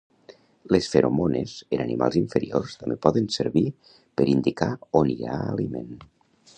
Les feromones en animals inferiors també poden servir per indicar on hi ha aliment